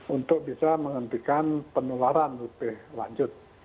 untuk bisa menghentikan penularan lebih lanjut